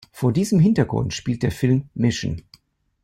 Vor diesem Hintergrund spielt der Film "Mission".